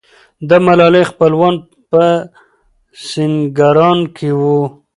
د ملالۍ خپلوان په سینګران کې وو.